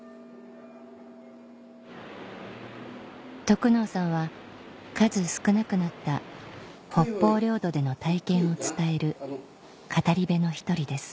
得能さんは数少なくなった北方領土での体験を伝える語り部の一人です